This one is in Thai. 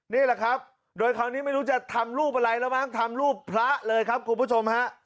นี่แหละครับโดยคราวนี้ไม่รู้จะทำรูปอะไรแล้วมั้งทำรูปพระเลยครับคุณผู้ชมฮะ